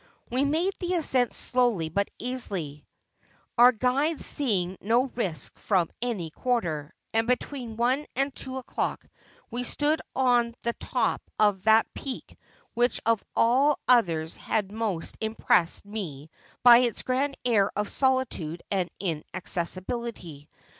' We made the ascent slowly but easily, our guides seeing no risk from any quarter ; and between one and two o'clock we stood on the top of that peak which of all others had most impressed me by its grand air of solitude and inaccessibility.